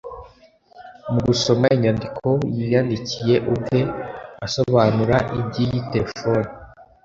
Mu gusoma inyandiko yiyandikiye ubwe asobanura iby’iyi telefone